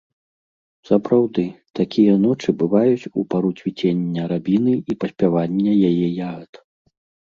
Сапраўды, такія ночы бываюць у пару цвіцення рабіны і паспявання яе ягад.